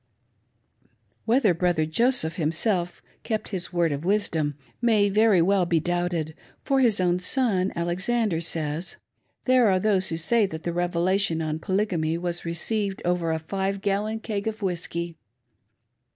Whether Brother Joseph himself kept his " Word of Wis dom " may very well be doubted, for his own son, Alexander, says, " There are those who say that the Revelation [on Poly gamy] was received over a five gallon keg of whiskey.''